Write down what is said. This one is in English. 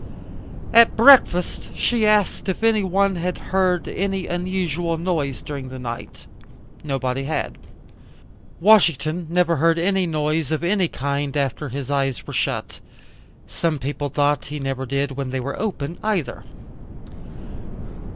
At breakfast she asked if any one had heard any unusual noise during the night? Nobody had. Washington never heard any noise of any kind after his eyes were shut. Some people thought he never did when they were open either.